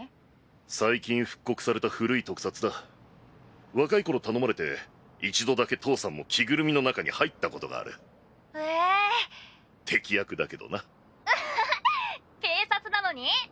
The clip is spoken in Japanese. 最近復刻された古い特撮だ若い頃頼まれて一度だけ父さんも着ぐるみの中に入ったことがある☎へえ敵役だけどな☎あははっ警察なのに？